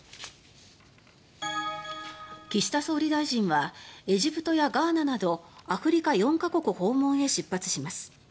岸田総理大臣はエジプトやガーナなどアフリカ４か国訪問へ出発します。